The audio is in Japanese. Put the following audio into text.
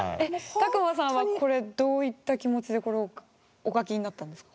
卓馬さんはこれどういった気持ちでこれをお書きになったんですか？